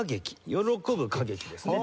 喜ぶ歌劇ですね。